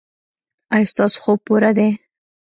ایا ستاسو خوب پوره دی؟